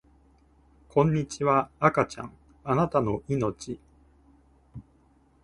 こんにちは赤ちゃんあなたの生命